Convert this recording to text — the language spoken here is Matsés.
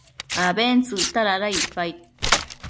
abentsëcta dada icpaid